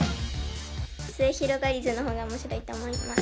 すゑひろがりずの方が面白いと思います。